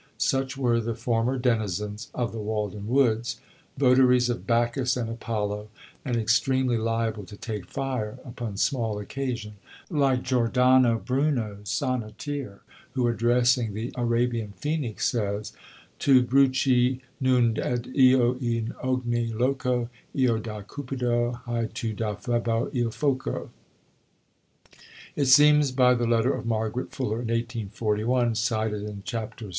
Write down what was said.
Such were the former denizens of the Walden woods votaries of Bacchus and Apollo, and extremely liable to take fire upon small occasion, like Giordano Bruno's sonneteer, who, addressing the Arabian Phenix, says, "Tu bruci 'n un, ed io in ogni loco, Io da Cupido, hai tu da Febo il foco." It seems by the letter of Margaret Fuller in 1841 (cited in chapter VI.)